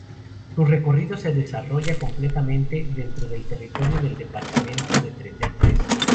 Su recorrido se desarrolla completamente dentro del territorio del departamento de Treinta y Tres.